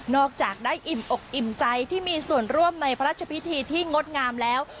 จากได้อิ่มอกอิ่มใจที่มีส่วนร่วมในพระราชพิธีที่งดงามแล้ว